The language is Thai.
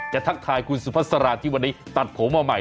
ทักทายคุณสุภาษาที่วันนี้ตัดผมมาใหม่